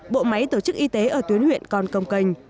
bộ máy tổ chức y tế ở tuyến huyện còn công cành